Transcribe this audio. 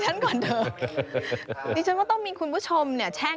เขาก็มีกำลังใจทำเพราะฯ